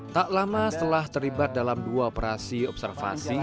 tak lama setelah terlibat dalam dua operasi observasi